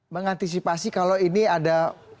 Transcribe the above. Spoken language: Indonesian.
mengantisipasi kalau ini ada